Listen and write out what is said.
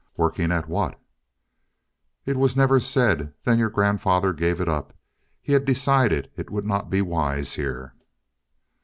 "Working at what?" "It was never said. Then your grandfather gave it up he had decided it would not be wise here."